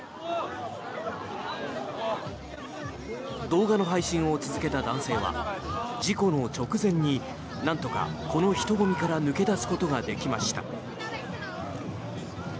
動画の配信を続けた男性は事故の直前になんとか、この人混みから抜け出すことができました。